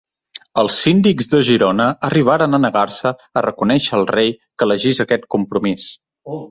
Els síndics de Girona arribaren a negar-se a reconèixer el rei que elegís aquest Compromís.